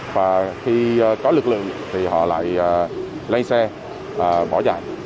và khi có lực lượng thì họ lại lấy xe bỏ chạy